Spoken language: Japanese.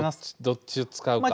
どっちを使うか。